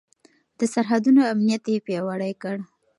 د سرحدونو امنيت يې پياوړی کړ.